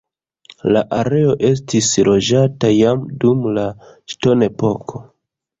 La areo estis loĝata jam dum la ŝtonepoko.